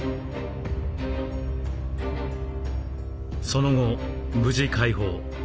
その後無事解放。